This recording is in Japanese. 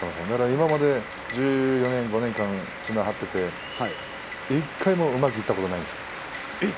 今まで１４、１５年間綱を張っていて１回もうまくいったことがないんです。